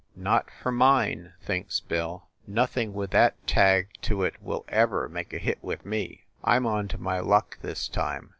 "Not for mine!" thinks Bill. "Nothing with that 74 FIND THE WOMAN tag to it will ever make a hit with me. I m onto my luck, this time.